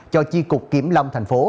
cho chi cục kiểm long tp